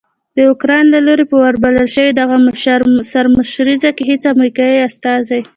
داوکرایین له لوري په وربلل شوې دغه سرمشریزه کې هیڅ امریکایي استازی